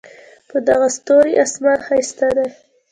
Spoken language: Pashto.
په دغه ستوري آسمان ښایسته دی